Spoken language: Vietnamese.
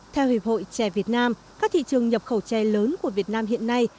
theo hiệp hội trẻ việt nam các thị trường nhập khẩu chè lớn của việt nam hiện nay